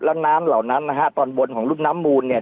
แล้วน้ำเหล่านั้นนะฮะตอนบนของรุ่นน้ำมูลเนี่ย